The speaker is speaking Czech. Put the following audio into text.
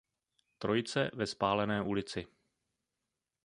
Trojice ve Spálené ulici.